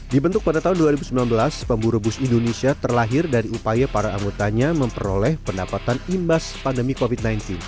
dibentuk pada tahun dua ribu sembilan belas pemburu bus indonesia terlahir dari upaya para anggotanya memperoleh pendapatan imbas pandemi covid sembilan belas